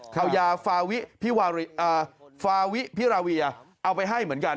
เขายาฟาวิพิราวียาเอาไปให้เหมือนกัน